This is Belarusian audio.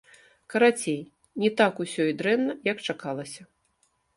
Карацей, не так усё і дрэнна, як чакалася.